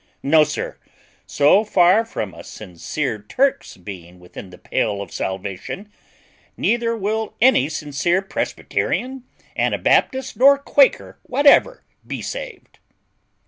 No, sir; so far from a sincere Turk's being within the pale of salvation, neither will any sincere Presbyterian, Anabaptist, nor Quaker whatever, be saved.